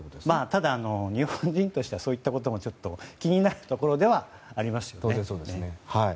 ただ、日本人としてはそういったことも気になるところではありますね。